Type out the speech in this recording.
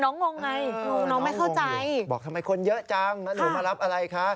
น้องโบนัสหนูรู้หรือยังลูก